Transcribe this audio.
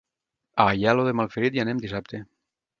A Aielo de Malferit hi anem dissabte.